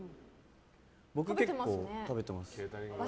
僕、結構食べてます。